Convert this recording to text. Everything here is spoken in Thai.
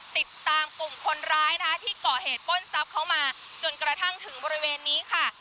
ติดตามกลุ่มคนร้ายนะคะที่ก่อเหตุปล้นทรัพย์เขามาจนกระทั่งถึงบริเวณนี้ค่ะ